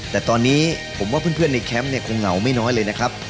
แต่ตอนนี้ผมว่าเพื่อนในแคมป์เนี่ยคงเหงาไม่น้อยเลยนะครับ